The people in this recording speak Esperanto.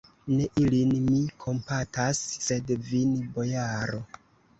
Ne ilin mi kompatas, sed vin, bojaro!